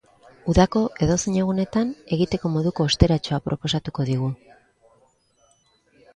Udako edozein egunetan egiteko moduko osteratxoa proposatuko digu.